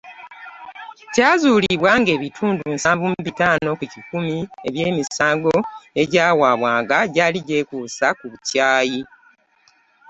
Kyazuulibwa ng'ebitundu nsanvu mu bitaano ku kikumi eby’emisango egyawabwanga gyali gyekuusa ku bukyayi.